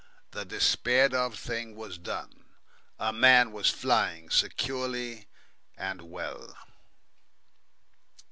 The despaired of thing was done. A man was flying securely and well.